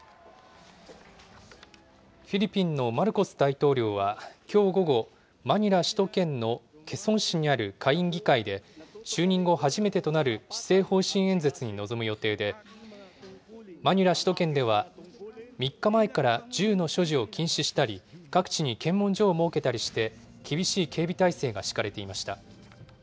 フィリピンのマルコス大統領は、きょう午後、マニラ首都圏のケソン市にある下院議会で、就任後初めてとなる施政方針演説に臨む予定で、マニラ首都圏では３日前から銃の所持を禁止したり、各地に検問所を設けたりして、厳しい警備態勢が敷かれていました。